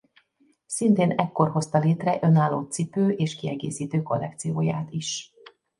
Szintén ekkor hozta létre önálló cipő és kiegészítő kollekcióját is.